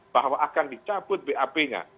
bahwa akan dicabut bap nya